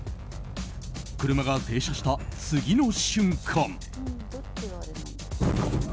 車が停車した次の瞬間。